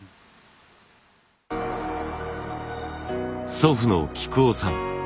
祖父の喜久生さん。